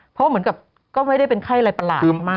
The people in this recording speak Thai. เพราะเหมือนกับก็ไม่ได้เป็นไข้อะไรประหลาดมาก